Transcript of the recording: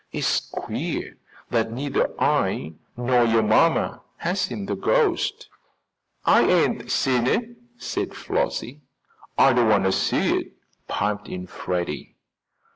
"It is queer that neither I nor your mamma has seen the ghost." "I ain't seen it," said Flossie. "Don't want to see it," piped in Freddie.